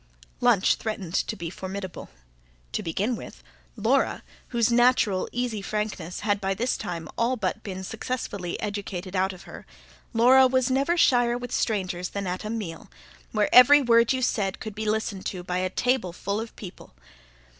Lunch threatened to be formidable. To begin with, Laura, whose natural, easy frankness had by this time all but been successfully educated out of her, Laura was never shyer with strangers than at a meal, where every word you said could be listened to by a tableful of people.